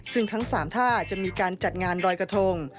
ซึ่งทั้ง๓ท่าจะมีการจัดงานรอยกระทง